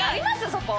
そこ。